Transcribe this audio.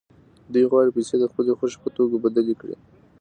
دوی غواړي پیسې د خپلې خوښې په توکو بدلې کړي